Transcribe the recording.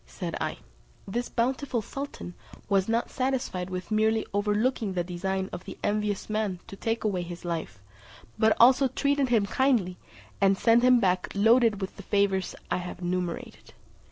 said I, "this bountiful sultan was not satisfied with merely overlooking the design of the envious man to take away his life, but also treated him kindly, and sent him back loaded with the favours I have enumerated."